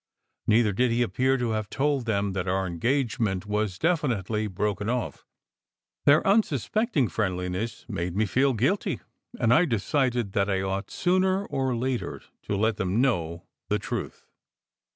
Neither did he appear to have told them that our engagement was definitely broken off. Their unsuspecting friendliness made me feel guilty, and I decided that I ought sooner or later to let them know the truth.